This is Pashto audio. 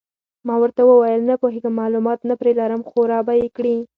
ما ورته وویل: نه پوهېږم، معلومات نه پرې لرم، خو را به یې کړي.